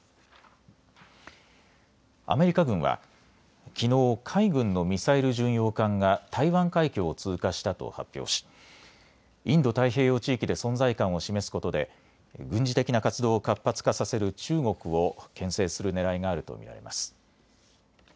アメリカ軍はきのう海軍のミサイル巡洋艦が台湾海峡を通過したと発表しインド太平洋地域で存在感を示すことで軍事的な活動を活発化させる中国をけん制するねらいがあると見られます。